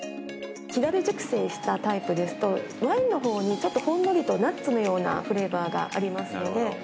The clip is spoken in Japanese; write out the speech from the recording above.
木だる熟成したタイプですとワインの方にほんのりとナッツのようなフレーバーがありますので。